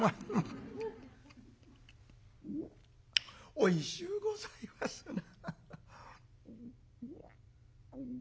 「おいしゅうございますな」。